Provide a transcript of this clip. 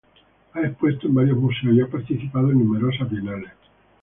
Ha expuesto en varios museos y ha participado en numerosas bienales.